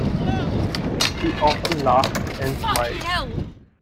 He often laughed and smiled.